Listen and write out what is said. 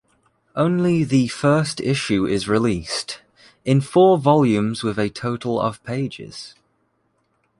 Only the first issue is released, in four volumes with a total of pages.